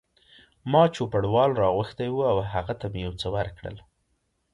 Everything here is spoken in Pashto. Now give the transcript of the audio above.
ما چوپړوال را غوښتی و او هغه ته مې یو څه ورکړل.